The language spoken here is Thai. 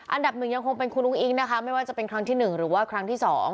อันดับหนึ่งยังคงเป็นคุณอุ้งอิ๊งนะคะไม่ว่าจะเป็นครั้งที่๑หรือว่าครั้งที่๒